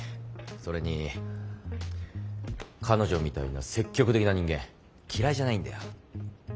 それに彼女みたいな積極的な人間嫌いじゃないんだよ。